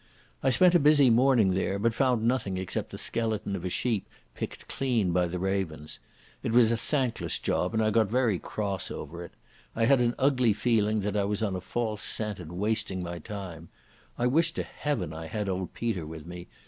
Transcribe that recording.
I spent a busy morning there, but found nothing except the skeleton of a sheep picked clean by the ravens. It was a thankless job, and I got very cross over it. I had an ugly feeling that I was on a false scent and wasting my time. I wished to Heaven I had old Peter with me.